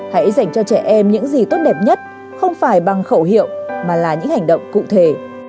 hãy dành cho trẻ em những gì tốt đẹp nhất không phải bằng khẩu hiệu mà là những hành động cụ thể